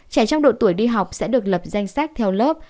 trẻ trong độ tuổi đi học sẽ được lập danh sách theo lớp